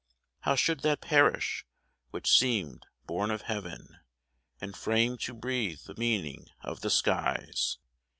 How should that perish which seemed born of heaven And framed to breathe the meaning of the skies?